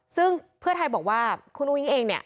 ซึ่งเพื่อไทยบอกว่าคุณอุ้งเองเนี่ย